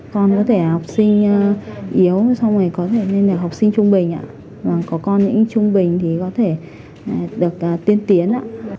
con có thể học sinh yếu có thể học sinh trung bình có con chỉ trung bình có thể tiến tiến